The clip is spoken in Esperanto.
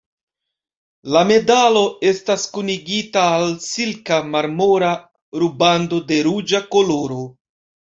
La medalo estas kunigita al silka marmora rubando de ruĝa koloro.